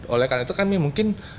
oleh karena itu kami mungkin